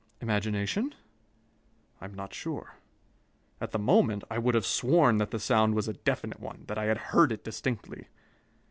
Imagination? I am not sure. At the moment, I would have sworn that the sound was a definite one, that I had heard it distinctly.